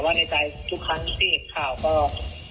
ในใจทุกครั้งที่เห็นข่าวก็